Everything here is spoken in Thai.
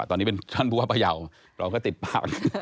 ตอนนี้เป็นท่านผู้ว่าพยาวเราก็ติดปาก